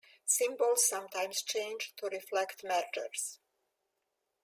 Symbols sometimes change to reflect mergers.